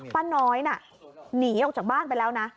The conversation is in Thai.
ป้าน้อยน่ะหนีออกจากบ้านไปแล้วนะ